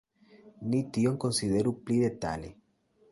Ni tion konsideru pli detale.